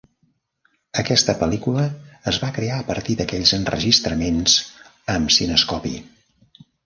Aquesta pel·lícula es va crear a partir d'aquells enregistraments amb cinescopi.